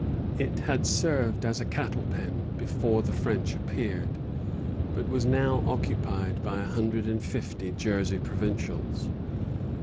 It had served as a cattle pen before the French appeared, but was now occupied by a hundred and fifty Jersey provincials.